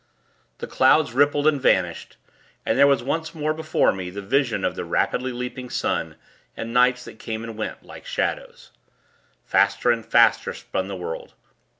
The clouds rippled and vanished, and there was once more before me, the vision of the swiftly leaping sun, and nights that came and went like shadows. Faster and faster, spun the world.